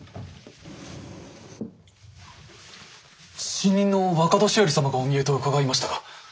新任の若年寄様がお見えと伺いましたが。